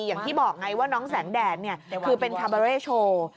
อย่างที่บอกไงว่าน้องแสงแดดคือเป็นคาเบอร์เร่โชว์